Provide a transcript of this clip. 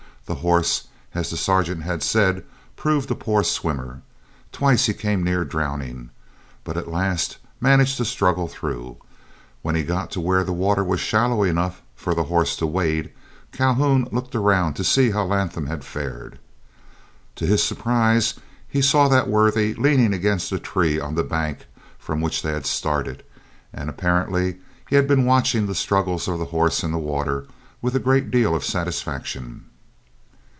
The horse, as the Sergeant had said, proved a poor swimmer. Twice he came near drowning; but at last managed to struggle through. When he got to where the water was shallow enough for the horse to wade, Calhoun looked around to see how Latham had fared. To his surprise he saw that worthy leaning against a tree on the bank from which they had started, and apparently he had been watching the struggles of the horse in the water with a great deal of satisfaction.